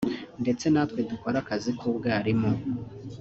ndetse natwe dukora akazi k’ubwarimu